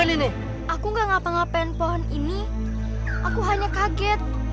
di mana aku bisa menemukan pohon kejujuran itu